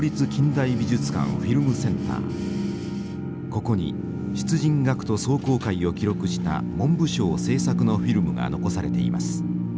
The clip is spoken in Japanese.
ここに出陣学徒壮行会を記録した文部省制作のフィルムが残されています。